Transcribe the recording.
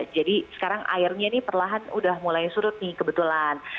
jadi sekarang airnya ini perlahan sudah mulai surut nih kebetulan